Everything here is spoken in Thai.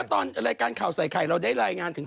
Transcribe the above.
ก็เนี่ย๑๐นาทีแล้วเราเพิ่งยังไม่เริ่ม